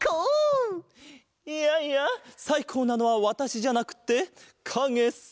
いやいやさいこうなのはわたしじゃなくってかげさ！